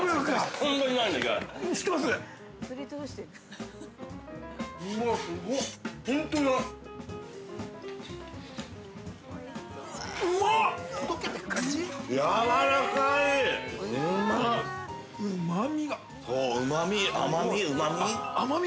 ◆そう、うまみ、甘み、うまみ？